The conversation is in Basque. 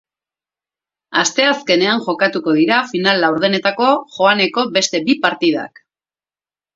Asteazkenean jokatuko dira final-laurdenetako joaneko beste bi partidak.